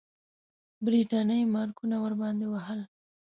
برټانیې مارکونه ورباندې وهل.